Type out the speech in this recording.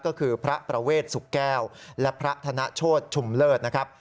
ก็คือพระประเวทสุแก้วและพระธนโชธชุมเลิศนะครับ